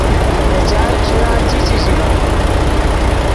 نے چائے خݰیرا چی، چے ژییف